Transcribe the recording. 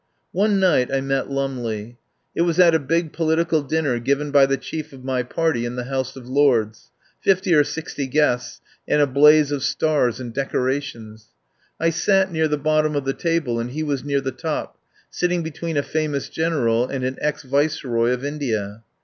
One night I met Lumley. It was at a big political dinner given by the chief of my party in the House of Lords — fifty or sixty guests, and a blaze of stars and decorations. I sat near the bottom of the table, and he was near the top, sitting between a famous General and an ex Viceroy of India.